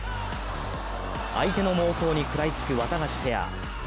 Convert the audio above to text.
相手の猛攻に食らいつくワタガシペア。